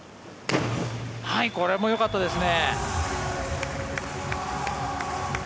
これもよかったですね。